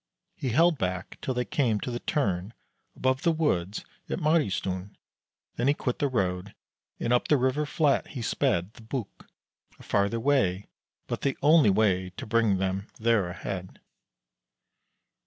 He held back till they came to the turn above the woods at Maristuen; then he quit the road, and up the river flat he sped the Buk, a farther way, but the only way to bring them there ahead.